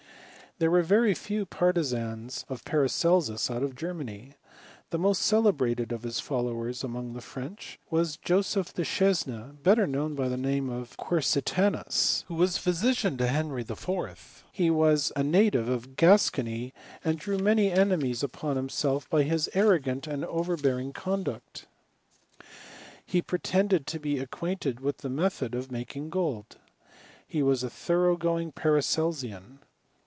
There were very few partisans of Paracelsus out lai '. Germany. The most celebrated of his followers amoog the French, was Joseph du Chesne, better known bf the name of Quercitanus, who was physician l» .• Henry IV, He was a native of Gascony, and diiV CDEMI8TRY OF PARACELSUS. 171 many enemies upon himself by bis arrogant and over bearing conduct. He pretended to be acquainted with the method of making gold. He was a thorough going Paracelsian.